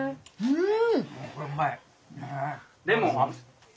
うん。